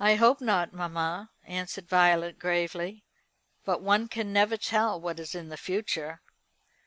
"I hope not, mamma," answered Violet gravely; "but one can never tell what is in the future.